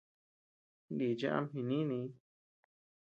Nichi ama jinìnii.